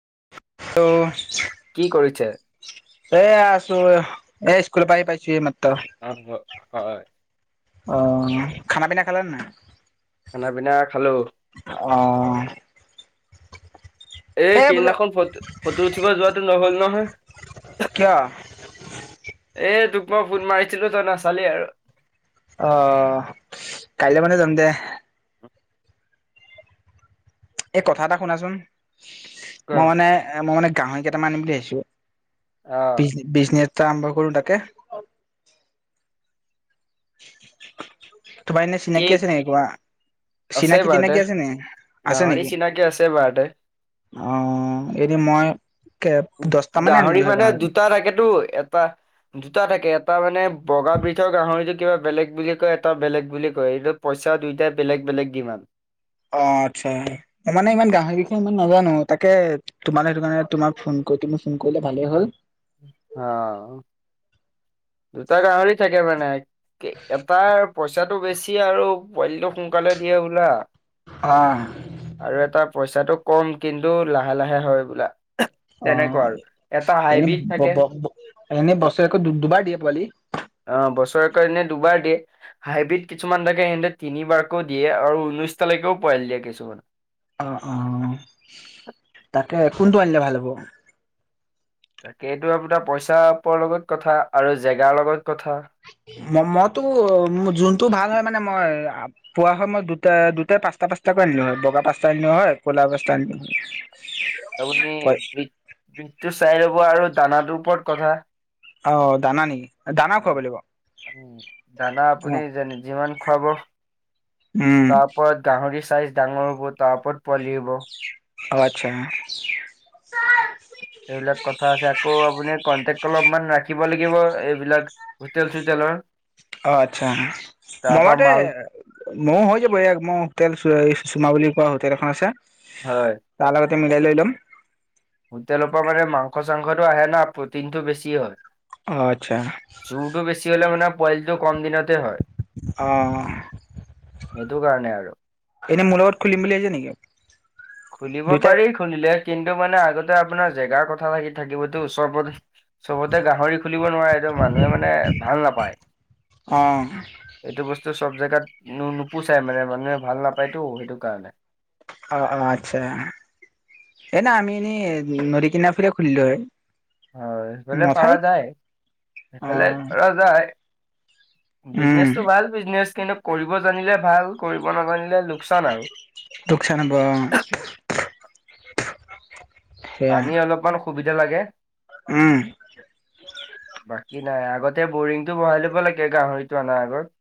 ত'। কি কৰিছে? এ আছো এ স্কুলৰ পৰা আহি পাইছো এইমাত্র আহ হয়। অ', খানা পিনা খালা নে নাই? খানা পিনা খালোঁ। অ', এই এ বোলো সেইদিনাখন ফটো ফটো উঠিব যোৱাটো নহ'ল নহয়। কিয় এ তোক মই ফোন মাৰিছিলো তই নাচালেয়েই আৰু। আহ, কাইলৈ মানে যাম দে। এই কথা এটা শুনাচোন, ক মই মানে মই মানে গাহৰি কেইটামান আনিম বুলি ভাবিছোঁ। আহ বি বিজনেছ আৰম্ভ কৰো তাকে তোমাৰ এনেই চিনাকি ঠিক আছে নেকি কিবা? আছে বাৰুতে চিনাকি-তিনাকি আছে নে, আছে গাহৰি নেকি? চিনাকি আছে বাৰুতে অ এনে মই দহটা আনিলো গাহৰি হয় মানে দুটা থাকেতো, এটা দুটা থাকে এটা মানে বগা বজৰ গাহৰি যদি কিবা বেলেগ বুলি কয় এটা বেলেগ বুলি কয় এইটো পইচা দুয়ইটাই বেলেগ বেলেগ কিমান অ আচ্ছা মানে ইমান গাহৰি বিখন ইমান নাজানো তাকে তোমাল সেইটো কাৰণে তোমাৰ ফোন কৈ তুমি ফোন কৰিলা ভালেই হ'ল। আহ দুটা গাহৰি থাকে মানে, কে এটা পইচাটো বেছি আৰু পোৱালিটো সোনকালে দিয়ে বোলা। আহ আৰু এটা পইচাটো কম কিন্তু লাহে লাহে হয় বোলা। অ তেনেকুৱা আৰু এটা এনে হাইব্ৰীড থাকে এনে বছৰেকো দুবাৰ দিয়া? অ বছৰত দুবাৰ দিয়ে হাইব্ৰীড কিছুমানাকে সহঁতে তিনিবাৰকে দিয়ে আৰু ঊনৈশ তালিকেও পোৱাই দিয়ে। কিছোমান অ' অ' তাকে কোনটো আনিলে ভাল হ'ব? তাকেইটো আপোনাৰ পইচা পোৱা লগত কথা আৰু জেগাৰ লগত কথা ম-মইতো অহ, যোনটো ভাল হয় মানে মই পোৱা হয় মই দুটা দুটাই পাঁচটা পাঁচটাকৈ আনিলো হয় বগা পচটা আনিলো হয় ক'লা পচটা আনিলো হয়। আপুনি বি বিজটো চাই ল'ব আৰু দানাটোৰ ওপৰত কথা অ' দানা নেকি দানা খুৱাব লাগিব [unintelligible] দানা আপুনি অ' যেন-যিমান খুৱাব। উম তাৰ পৰত গাহৰি চাইজ ডাঙৰ হ'ব, তাৰ ওপৰত পোৱালি হ'ব। আচ্ছা সেইবিলাক কথা আছে, আকৌ আপুনি কটেক অলপমান ৰাখিব। ব লাগিব, এইবিলাক হোটেল-চোটেলৰ। অ আচ্ছা মমতে মাল ময় হৈ যাব ইাক মইো তেল এই চুমা বুলি কোৱা হোটেল এখন আছে হয় তাৰ লগতে মিলাই লৈ ল'ম। হোটেলৰ পৰা মানে মাংস চাংসটো আহে না প্ৰটিন টো বেছি হয়। অ' আচ্ছা চোৰটো বেছি হলে মানে পইলটো কম দিনতে হয় অ' সেইটো কাৰণে আৰু এনেই মোৰ লগত খুলিম বুলি ভ আহিছে নেকি? খুলিব দুইটাই পাৰি খুলিলে, কিন্তু মানে আগতে আপোনাৰ জেগাৰ কথা লাগি থাকিবতো উচৰ পদেশ সবতে গাহৰি খুলিব নোৱাৰে, মানুহে মানে ভাল নাপায়। অ'। সব জেগাত নোপুচাই মানে, মানুহে ভাল নাপায়তো সেইটো কাৰণে। অ', অ', আচ্ছা। এ ন আমি এনেই নদী কিনাৰ ফালে খুলিলো হয়। হয় সফালে পৰা মঠাইত যায়, অ সেইফালে পৰা যায়। উম বিজনেচটো ভাল বিজনেচ কিন্তু কৰিব জানিলে ভাল কৰিব নাজানিলে লোকচান আৰু দুকচানব পানী অলপমান সুবিধা লাগে। উম। বাকী নাই আগতে বৰিংটো বহাই ল'ব লাগে গাহৰিতটো অনাৰ আগত।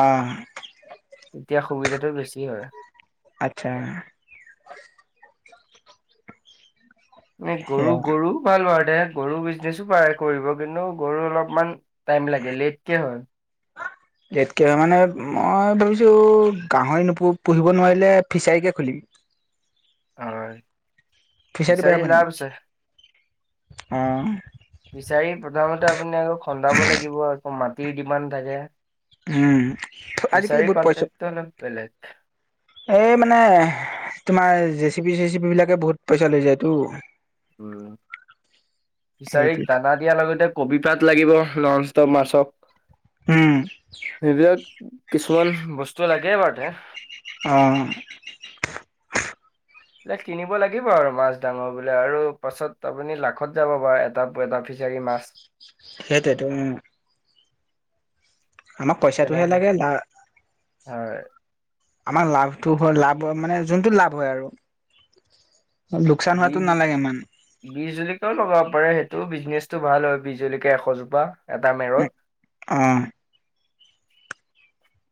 আহ। এতিয়া সুবিধাতটো বেছি হয়। আচ্ছা। এ গৰু সেয়া গৰু ভাল আৰু দে গৰু বিজনেচো পাৰে কৰিব কিন্তু গৰু অলপমান টাইম লাগে লেটকে হ'য়। [inaudible] জটকৈ হয় মানে মই ভাবিছোঁ গাহৰি নপ পুহিব নোৱাৰিলে ফিছাৰীকে খুলিম। হয়, ফিচাৰী লাভ আছে। উম। ফিচাৰি প্ৰথমতে আপুনি আকৌ খন্দাব লাগিব, আকৌ মাটিৰ ডিমাণ্ড থাকে। উম আজিকালি ফিচাৰী বহুত পইচা কনটেক্টটো অলপ বেলেগ। এই মানে তোমাৰ জেচিপি চেচিপি বিলাকে বহুত পইচা লৈ যায়টো। উ ফিচাৰীক সেইটোত দানা দিয়াৰ লগতে কবি পাত তাত লাগিব নন ষ্টপ মাছক উম সেইবিলাক কিছুমান বস্তু লাগে বাৰুতে। আহ। বলে কিনিব লাগিব আৰু মাছ ডাঙৰ বোলে আৰু পাছত আপুনি লাখত যাব পাৰ এটা এটা পিছ চাৰি মাছ সেইটোৱেটো উ। আমাক পইচাটোহে তেনেকৈ লাগে লা হয়। আমাৰ লাভটো হয় লাভ মানে যোনটো লাভ হয় আৰু। লোকচান হোৱাটো বীজ নালাগে ইমান বিহ জলিকাও লগাব পাৰে সেই তটো বিজনেচটো ভাল হয় বিহজলকিয়া এশজোপা এটা মেৰত আহ।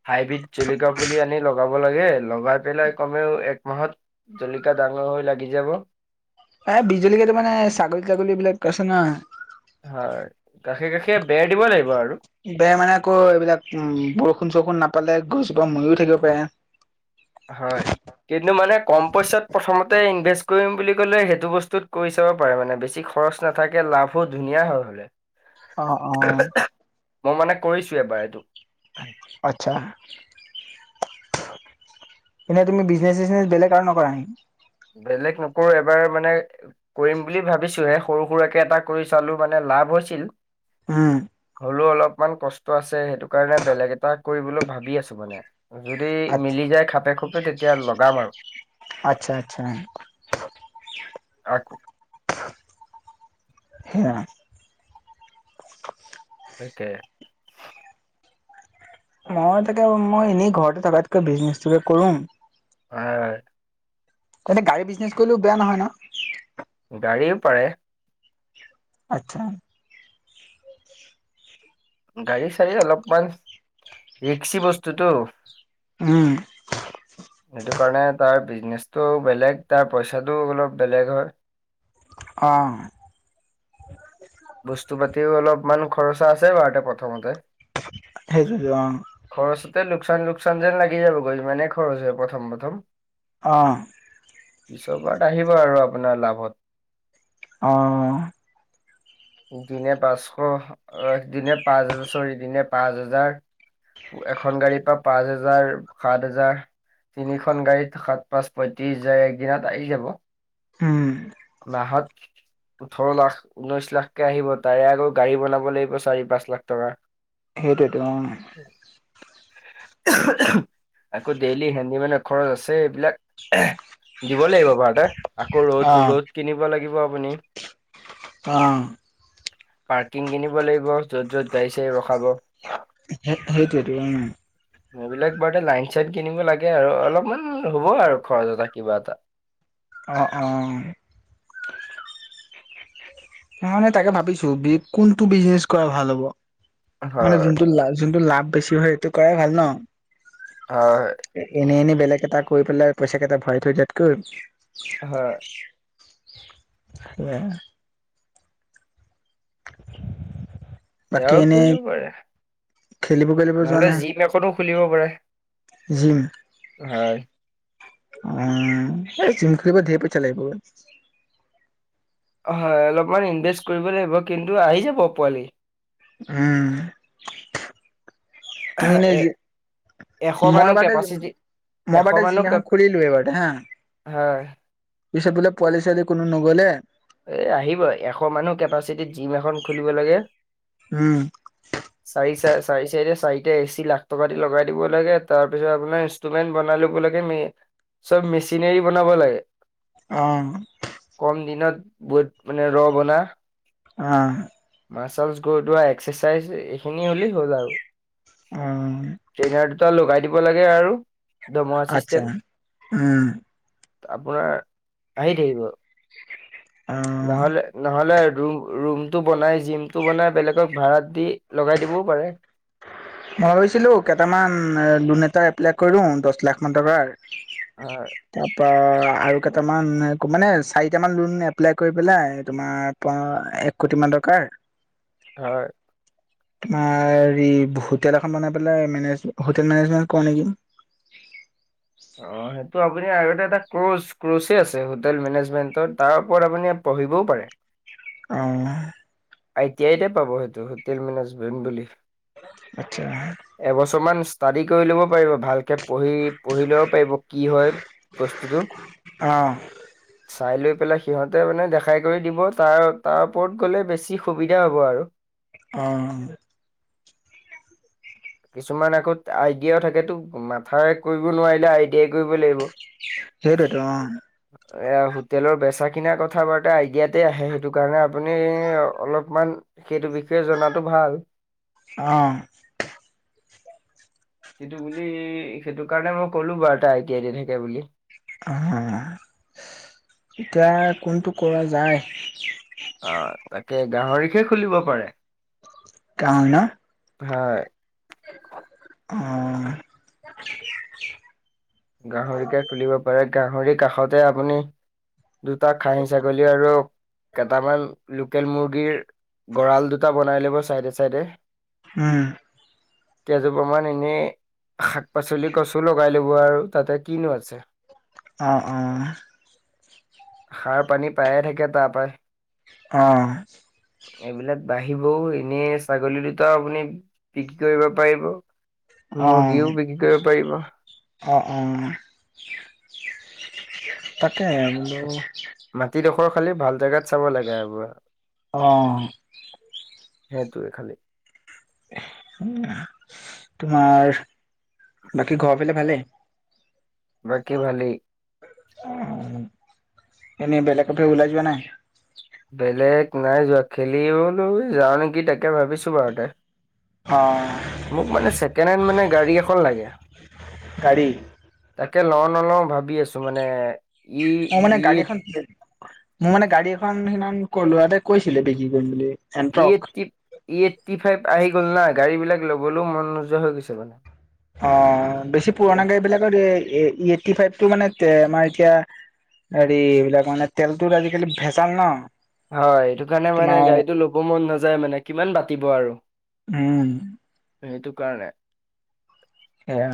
হাইব্ৰীড জলকিয়া পুলি আনি লগাব লাগে, লগাই পেলাই কমেও একমাহত জল ডাঙৰ হৈ লাগি যাব। এ বিহ জলকীয়া কেইটা মানে ছাগলী ছাগলী বিলাক আছে ন। এয়া বেৰ দিব লাগিব আৰু। বেয়া মানে আকৌ এইবিলাক উম বৰষুণ চৰষুণ নাপ পালে গছজোপা মৰিও থাকিব পাৰে। হয়। কিন্তু মানে কম পইচাত প্ৰথমতে ইনভেষ্ট কৰিম বুলি ক'লে সেইটো বস্তুত কৰি চাব পাৰে মানে বেছি। খৰচ নাথাকে লাভো ধুনীয়া হৈ হ'লে। অ', অ'। মই মানে কৰিছো এবাৰ এইটো। আচ্ছা। এনেই তুমি বিজনেচ চজনেচ বেলেগ আৰু নকৰা নি? বেলেগ নকৰো এবাৰ মানে কৰিম বুলি ভাবিছ হে সৰু সুৰাকে এটা কৰি চালো মানে লাভ হৈছিল। উম। হলেও অলপমান কষ্ট আছে সেইটো কাৰণে বেলেগ এটা কৰিবলৈ ভাবি আছো মানে। যদি মিলি যায় খাপে খুপে তেতিয়া লগাম আৰু। আচ্ছা আচ্ছা আকো [unintelligible] হেইটে মই তাকে মই এনেই ঘৰতে থকাতকৈ বিজনেচোকে কৰো। হয়। এনে গাড়ী বিজনেচ কৰিলেও বেয়া নহয় ন। গাড়ীও পাৰে। আচ্ছা। গাড়ী চাড়ী অলপমান। ৰিক্সি বস্তুটো, উম সেইটো কাৰণে তাৰ বিজনেচটো বেলেগ তাৰ পইচাটো অলপ বেলেগ হয়। অ', বস্তু পাতিও অলপমান খৰচা আছে বাৰু ততে প্ৰথমতে। সাইটোয়েটো অ'। ত' লোকচান-লোকচান যেন লাগি যাবগৈ মানে খৰচ হয় প্ৰথম প্ৰথম। অ', পিছৰ পৰাত আহিব আৰু আপোনাৰ লাভত। অ'। দিনে পাঁচশ আহ দিনে পাঁচ হাৰ চৰি দিনে পাঁচ হাজাৰ। এখন গাড়ীৰ পৰা পাঁচ হোজাৰ, সাত হাজাৰ। তিনিখন গাড়ীত সাত পাঁচ পঁয়ত্ৰিশ যায় একদিনত আহি যাব। উম। মাহত ওঠৰ লাখ, ঊনৈশ লাখকে আহিব তাৰে আকৌ গাড়ী বনাব লাগিব চাৰি, পাঁচ লাখ টকা। সেইটোৱেটো অ, আকৌ ডেইলি হেণ্ডিমেনৰ খৰচ আছে এইবিলাক। দিব লাগিব এবাৰতে, আকৌ অ', ৰ'দ-ৰ'দ কিনিব লাগিব আপুনি। অ', পাৰ্কিং কিনিব লাগিব, য'ত য'ত গাড়ী চাড় ৰখাব। সেইটোৱেটো অ, এইবিলাক বাৰুতে লাইন চাইন কিনিব লাগে আৰু অলপমান হ'ব আৰু খৰচ এতটা কিবা এটা। অ', অ, সেইকাৰণে তাকে ভাবিছোঁ বি কোনটো বিজনেচ কৰা ভাল হ'ব। মানে হয় যোনটো লা যোনটোত লাভ বেছি হয় সেইটো কৰাই ভাল ন'। হয় এনেই এনে বেলেগ এটা কৰি পেলাই পইচা কেইটা ভৰাই থৈ দিয়াতকৈ। হয়। আহ। বাকী বেয়াও এনেই কৰিব পাৰে, খেলিব খেলিব যোৱা নহ'লে নাই জিম এখনো খুলিব পাৰে। জিম। হয় অ', এই জিম খুলিব ঢেৰ পইচা লাগিবগৈ। হয় অলপমান ইনভেষ্ট কৰিব লাগিব কিন্তু আহি যাব পোৱালি। উম। তুমি এনে [unintelligible] এশ মানৰ কেপাচিটি এশ মবটা মানুহ জিমনাখন কেপ খুলি লো এবাৰ হা। হয় পিছেত বোলে পোৱালি চোৱালি কোনো নগ'লে এ আহিবই এশ মানু্হ কেপাচিটিত জিম এখন খুলিব লাগে। উম, [unintelligible] চাৰি চাইডে চাৰিটা এচি লাখ টকা দি লগাই দিব লাগে, তাৰপিছত আপোনাৰ ইনষ্ট্ৰুমেন্ট বনাই ল'ব লাগে চব মেচিনেৰি বনাব লাগে। অ', কম দিনত বত মানে ৰ বনা অ', [unintelligible] গৈ দোৱা এক্সাৰচাইজ এইখিনি হ'লেই হ'ল আৰু। অ। টা লগাই দিব লাগে আৰু দৰমহা চিষ্টে আচ্ছা উম আপোনাৰ আহি থাকিব। অ নহ'লে নহ'লে ৰুম-ৰুমটো বনাই জিমটো বনাই বেলেগক ভাড়াত দি, লগাই দিবও পাৰে। মই ভাবিছিলোঁ কেইটামান, লোন এটা এপ্লাই কৰি দিয়ো দশ লাখ মান টকাৰ। হয় তাৰ পৰা আৰু কেইটামান নাইকো, মানে চাৰিটামান লোন এপ্লাই কৰি পেলাই তোমাৰ পা এক কোটি মান টকাৰ এক [inaudible] আ ৰি বহুত হোটেল এখন বনাই পেলাই, মেনেজ, হোটেল মেনেজমেন্ট কৰোঁ, নেকি। অ'! সেইটো আপুনি, আৰু এটা ক্ৰোচ, ক্ৰোচে আছে, হোটেল মেনেজমেন্টত। তাৰ ওপৰত, আপুনি পঢ়িবও পাৰে। আহ। আই টি আইতে পাব সেইটো হোটেল মেনেজমেণ্ট বুলি। আচ্ছা এবছৰমান, ষ্টাডি কৰি ল'ব পাৰিব, ভালকে পঢ়ি- পঢ়ি ল'ব পাৰিব, কি হয়, বস্তুটো। অ'! চাই লৈ পেলাই সিহঁতে মানে দেখাই কৰি দিব তাৰ, তাৰ ওপৰত গ'লে বেছি সুবিধা হ'ব আৰু। অ'! [inaudible] কিছুমান আকৌ আইডিয়াও থাকেতো মাথাৰে কৰিব নোৱাৰিলে আই সেই কৰিব লাগিব। সেইটোৱেতো অ এইয়া, হোটেলৰ বেচা-কিনা কথা-বাৰ্তা ইয়াতে আহে। সেইটো কাৰণে, আপুনি অলপমান সেইটো বিষয়ে জনাটো ভাল। অ। সেইটো বুলি, সেইটো কাৰণে, মই ক'লো বাৰু এটা, আই টি আই দি থাকে, বুলি। অ', এতিয়া কোনটো কৰা যায়। আহ, তাকে গাহৰিকে খুলিব পাৰে। [inaudible] হয়। অ'। গাহৰিকে খুলিব পাৰে, গাহৰি কাষতে আপুনি দুটা খাহী ছাগলী আৰু কেইটামান ল লোকেল মুৰ্গীৰ গঁড়াল দুটা বনাই ল'ব, চাইডে- চাইডে। উম। কেইজোপামান এনে শাক-পাচলি গছো লগাই লব আৰু। তাতে কিনো আছে? অ, অঁ। সাৰ-পানী পাইয়ে থাকে, তাৰপৰা। অ'! এইবিলাক বাঢ়িবও এনেই ছাগলী দুটা আপুনি বিক্ৰী কৰিব পাৰিব। অ মুৰ্গীও বিক্ৰী কৰিব পাৰিব। অ'! [unintelligible] তাতে, বোলোঁ। মাটিডোখৰ খালি ভাল জেগাত চাব লাগে আৰুব। অ'! সেইটোৱে খালি। [unintelligible] তোমাৰ, বাকী ঘৰ ফালে ভালে? বাকী ভালি উ এনেই বেলেগ ফে ওলাই যিবা নাই। বেলেগ নাই যোৱা, খেলি বোলোঁ, যাওঁ নেকি, তাকে ভাবিছোঁ, [unintelligible] অ', মোক মানে, ছেকেণ্ড হেণ্ড মানে, গাড়ী এখন লাগে। গাড়ী? তাকে, লওঁ-নলওঁ ভাবি আছোঁ, মানে। ই অ মানে ই গাড়ী এখন মোৰ মানে গাড়ী এখন সিদিনাখন ক লৰাটাই কৈছিলে বিক্ৰী কৰিম বুলি এণ্ট্ৰক ইট ইটটি ফাইভ আহি গ'ল না গাড়ী বিলাক লবলৈও মন নোযোৱা হৈ গৈছে মানে। অ বেছি পুৰণা গাড়ী বিলাকত ফটি ফাইভটো মানে আমাৰ এতিয়া হেৰি এইবিলাক মানে তেলটো আজিকালি ভেজাল ন হয় সেইটো কাৰণে মানে তোমাৰ গাড়ীটো ল'ব মন নাযায় মানে কিমান পাতিব আৰু। উম। সেইটো কাৰণে। সেয়া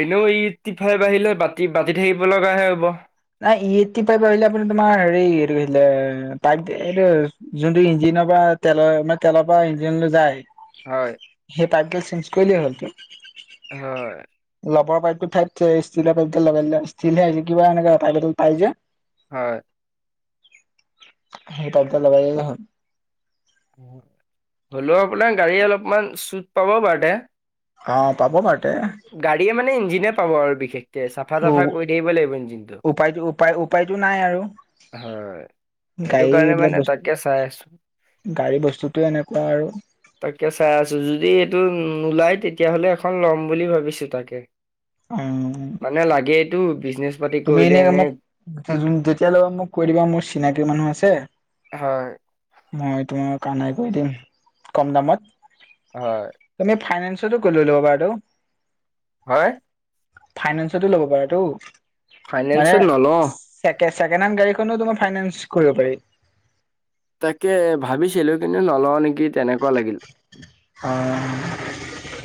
এনেও ইতিফাল বাঢ়িলে বাতি বাতি থাকিব লগাাহে হ'ব নাই ইতি আহিলে আপোনাৰ তোমাৰ হেৰি এইটোছিলে পাই এইটো যোনটো ইঞ্জিন পৰা তেলৰ মানে তেলৰ পৰা ইঞ্জিন লৈ যায়। হয় সেই পাইগেল চেঞ্জ কৰিল হ'ল ত হয় াই ষ্টিলৰ প লগ ষ্টিল কিবা এনেক তাই পাই যে হয়। সেই পাইপডাল লগাইদিলে হ'ল হলেও আপোনাৰ গাড়ী অলপমান চুট পাব বাৰুতে অ পাব পাৰতে গাড়ীয়ে মানে ইঞ্জিনে পাব আৰু বিশেষকে চাফা উ চাফা কৰি থাকিব লাগিব ইঞ্জিনটো উপায়টো উপায় উপায়টো নাই আৰু হয় সেইটো গাড়ী কাৰণে এইবিলাক মানে বস্তু তাকে চাই আছো গাড়ী বস্তুটোৱে এনেকুৱা আৰু তাকে চাই আছো যদি এইটো নোলাই তেতিয়াহ'লে এখন ল'ম বুলি ভাবিছো তাকে। অ মানে লাগেটো। তুমি এনেই মোক যেতিয়ালৈ মোক কৈ দিবা মোৰ চিনাকি মানুহ আছে। হয়। মই তোমাৰ কৈ দিম কম দামত। হয়, তুমি চটো কল ল বাৰটোু হা। ফাইনেন্সতো ল'ব পাৰতো ফাইনেনচত নলওঁ। চেকেণ্ডহেণ্ড গাড়ীখনো তুমাৰ ফাইনেন্স কৰিব পাৰি তাকে ভাবিছিলো কিন্তু নলওঁ নেকি তেনেকুৱা লাগিল অ